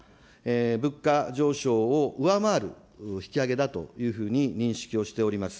物価上昇を上回る引き上げだというふうに認識をしております。